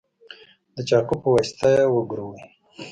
د چاقو په واسطه یې وګروئ.